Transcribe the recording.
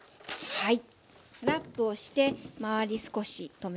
はい。